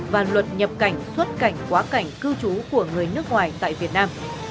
và luật nhập cảnh xuất cảnh quá cảnh cư trú của người nước ngoài tại việt nam